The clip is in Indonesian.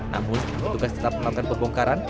namun petugas tetap melakukan pembongkaran